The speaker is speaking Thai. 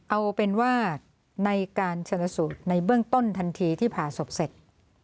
เอาเป็นว่าในการชนสูตรในเบื้องต้นทันทีที่ผ่าศพเสร็จ